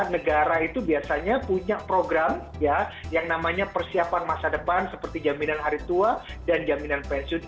negara itu biasanya punya program ya yang namanya persiapan masa depan seperti jaminan hari tua dan jaminan pensiun